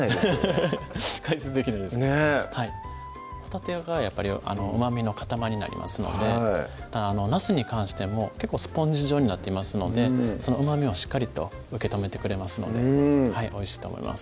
ハハハハッ解説できないですかねっほたてがやっぱりうまみの塊になりますのでなすに関してもスポンジ状になっていますのでそのうまみをしっかりと受け止めてくれますのでおいしいと思います